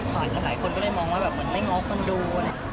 ผ่านกันหลายคนก็ได้มองว่าแบบไม่ง้อคนดูอะไร